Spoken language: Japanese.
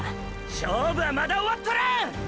勝負はまだ終わっとらん！！